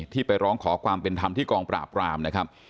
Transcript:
ไปร้องขอความเป็นธรรมที่กองปราบรามนะครับ